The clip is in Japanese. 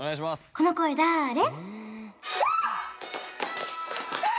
この声だーれ？